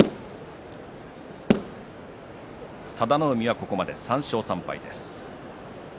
佐田の海はここまで３勝３敗です。